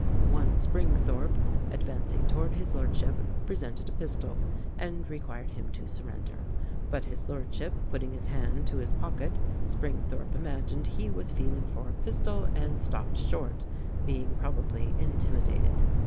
One Springthorpe, advancing towards his lordship, presented a pistol, and required him to surrender; but his lordship putting his hand to his pocket, Springthrope imagined he was feeling for a pistol, and stopped short, being probably intimidated.